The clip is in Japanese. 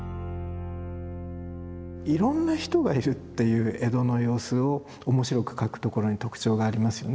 いろんな人がいるっていう江戸の様子を面白く描くところに特徴がありますよね。